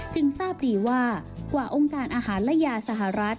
ทราบดีว่ากว่าองค์การอาหารและยาสหรัฐ